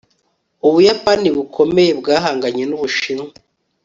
ubuyapani bukomeye bwahanganye ni ubushinwa